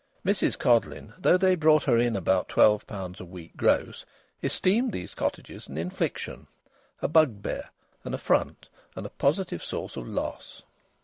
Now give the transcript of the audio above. Mrs Codleyn, though they brought her in about twelve pounds a week gross, esteemed these cottages an infliction, a bugbear, an affront, and a positive source of loss.